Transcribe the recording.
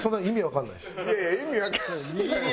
いやいや「意味わかんない」。